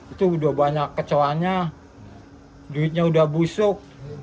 itu udah banyak kecoanya duitnya udah busuk